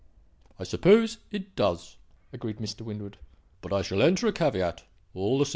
"I suppose it does," agreed Mr. Winwood. "But I shall enter a caveat, all the same."